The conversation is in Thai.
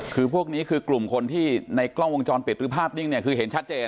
คือพวกนี้คือกลุ่มคนที่ในกล้องวงจรปิดหรือภาพนิ่งเนี่ยคือเห็นชัดเจน